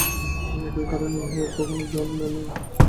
এই একই কারণে ইহা কখনও জন্মে নাই।